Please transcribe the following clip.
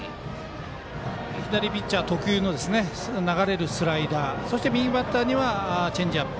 左ピッチャー特有の流れるスライダーそして右バッターにはチェンジアップ。